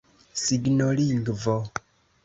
signolingvo